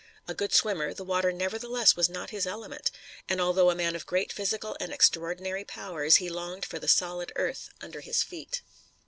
A good swimmer, the water nevertheless was not his element, and although a man of great physique and extraordinary powers, he longed for the solid earth under his feet.